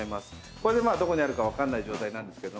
これでどこにあるか分かんない状態。